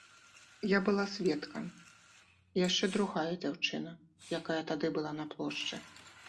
Я была сведкам, і яшчэ другая дзяўчына, якая тады была на плошчы.